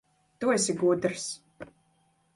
Tu esi gudrs.